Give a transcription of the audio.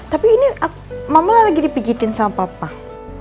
tapi ini mama lagi dipijitin sama papa